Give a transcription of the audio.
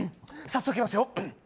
早速いきますよ